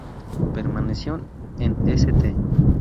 Permaneció en St.